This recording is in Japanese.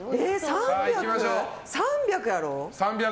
３００やろ？